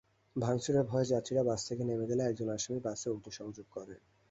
ভাঙচুরের ভয়ে যাত্রীরা বাস থেকে নেমে গেলে একজন আসামি বাসে অগ্নিসংযোগ করেন।